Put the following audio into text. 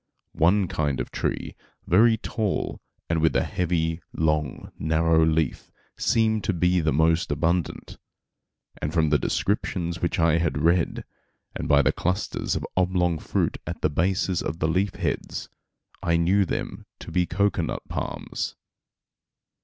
One kind of tree, very tall and with a heavy long narrow leaf seemed to be the most abundant; and from the descriptions which I had read, and by the clusters of oblong fruit at the bases of the leaf heads, I knew them to be cocoanut palms.